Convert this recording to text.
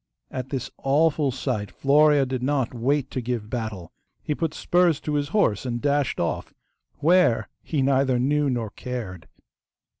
At this awful sight Florea did not wait to give battle. He put spurs to his horse and dashed off, WHERE he neither knew nor cared.